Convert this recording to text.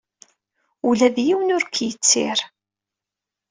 Ula d yiwen ur k-yettir.